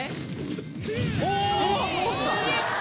・お倒した！